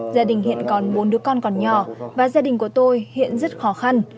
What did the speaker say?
gia đình hiện còn bốn đứa con còn nhỏ và gia đình của tôi hiện rất khó khăn